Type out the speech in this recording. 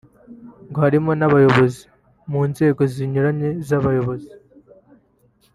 ngo harimo n’abayobozi mu nzego zinyuranye z’ubuyobozi